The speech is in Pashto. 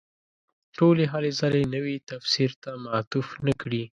ټولې هلې ځلې نوي تفسیر ته معطوف نه کړي.